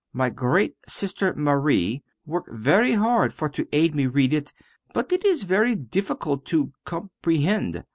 My great sister Marie work very hard for to aid me read it, but it is very difficult to comprehend.